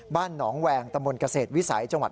บ้านหนองแวงตะมนต์เกษตรวิสัยจังหวัด